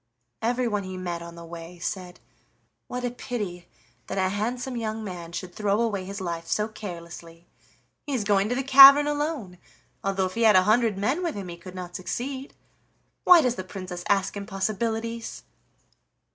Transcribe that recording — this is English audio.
Everyone he met on the way said: "What a pity that a handsome young man should throw away his life so carelessly! He is going to the cavern alone, though if he had a hundred men with him he could not succeed. Why does the Princess ask impossibilities?"